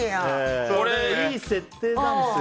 いい設定なんですよ。